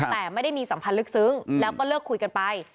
แต่ไม่ได้มีสัมพันธ์ลึกซึ้งแล้วก็เลิกคุยกันไป